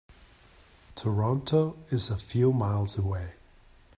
Toronto is a few miles away.